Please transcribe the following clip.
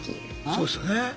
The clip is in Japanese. そうですよね。